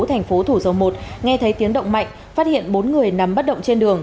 thành phố thủ dầu một nghe thấy tiếng động mạnh phát hiện bốn người nằm bất động trên đường